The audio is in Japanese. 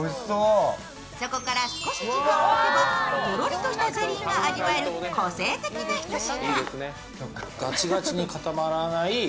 そこから少し時間をおけたとろりとしたゼリーが味わえる個性的な一品。